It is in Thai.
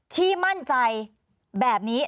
ที่มั่นใจแบบนี้